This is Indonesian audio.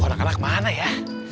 anak anak mana ya